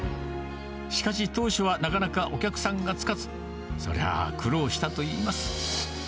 しかし当初は、なかなかお客さんがつかず、それは苦労したといいます。